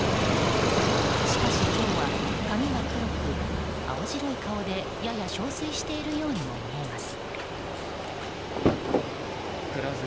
しかし、今日は髪は黒く、青白い顔でやや憔悴しているようにも見えます。